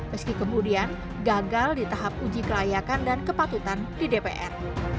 meski kemudian gagal di tahap uji kelayakan dan kepatutan di dpr